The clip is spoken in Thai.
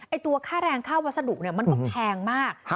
ไอ้ตัวค่าแรงค่าวัสดุมันก็แพงมาก